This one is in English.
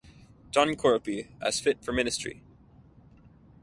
John Corapi as fit for ministry.